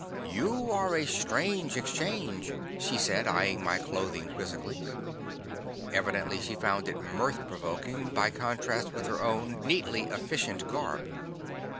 "You are a strange exchange," she said, eying my clothing quizzically. Evidently she found it mirth provoking by contrast with her own neatly efficient garb.